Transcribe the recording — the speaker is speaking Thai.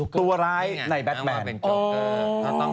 ตัวร้ายในแบทแมนจบ